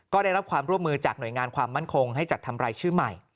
ก็ได้รับความร่วมมือจากหน่วยงานความมั่นคงให้จัดทำรายชื่อใหม่